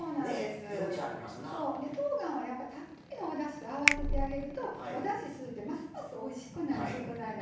とうがんはやっぱりたっぷりのおだしと合わせてあげるとおだし吸うてますますおいしくなる食材なんです。